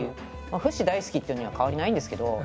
フシ大好きっていうのには変わりないんですけど。